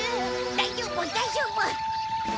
大丈夫大丈夫。